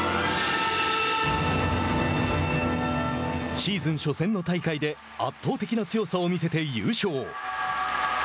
シーズン初戦の大会で圧倒的な強さを見せて優勝。